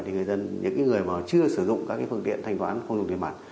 thì những người mà chưa sử dụng các phương tiện thanh toán không dùng tiền mặt